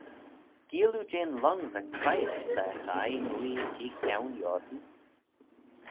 Geayll oo jeh'n lhong va traiet laa chaie mooie jeh Kione Yorby?